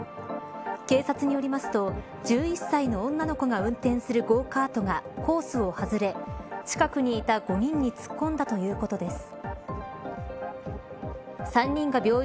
警察によりますと１１歳の女の子が運転するゴーカートがコースを外れ近くにいた５人に突っ込んだということです。